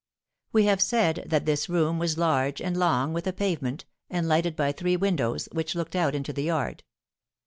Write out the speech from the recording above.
We have said that this room was large and long, with a pavement, and lighted by three windows, which looked out into the yard.